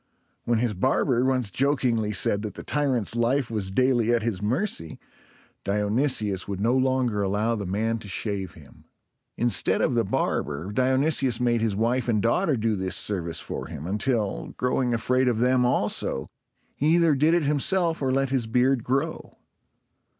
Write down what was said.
When his barber once jokingly said that the tyrant's life was daily at his mercy, Dionysius would no longer allow the man to shave him. Instead of the barber, Dionysius made his wife and daughter do this service for him, until, growing afraid of them also, he either did it himself or let his beard grow.